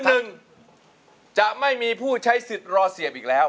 หนึ่งจะไม่มีผู้ใช้สิทธิ์รอเสียบอีกแล้ว